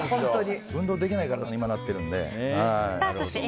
運動できない体に今なってるので。